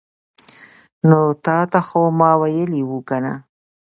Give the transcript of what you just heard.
نو تاته خو ما ویلې وو کنه